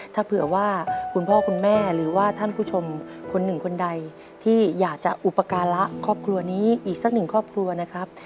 ถ้าเผื่อว่าคุณพ่อคุณแม่หรือว่าท่านผู้ชมคนหนึ่งคนใดที่อยากจะอุปการะครอบครัวนี้อีกสักหนึ่งครอบครัวนะครับ